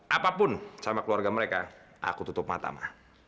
apapun sama keluarga mereka aku tutup mata ma